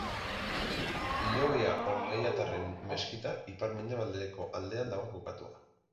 Hilobia Omeiatarren meskita ipar-mendebaldeko aldean dago kokatuta.